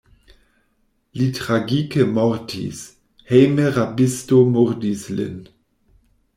Li tragike mortis: hejme rabisto murdis lin.